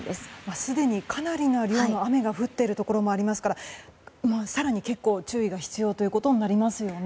すでにかなりの量の雨が降っているところもありますから更に注意が必要となりますよね。